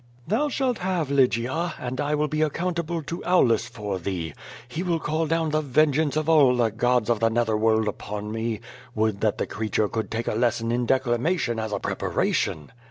"Thou shalt have Lygia, and I will be accountable to Aulus for thee. He will call down the vengeance of all the gods of the nether world upon me. Would that the creature could take a lesson in declamation as a preparation!